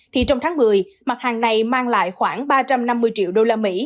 thì trong tháng một mươi mặt hàng này mang lại khoảng ba trăm năm mươi triệu usd